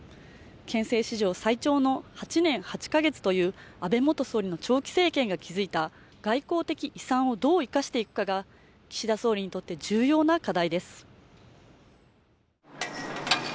憲政史上最長の８年８か月という安倍元総理の長期政権を築いた外交的遺産をどう生かしていくかが岸田総理にとって重要な課題です